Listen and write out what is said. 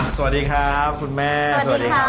สวัสดีครับคุณแม่สวัสดีครับ